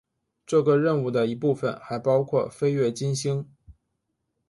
这个任务的一部分还包括飞越金星。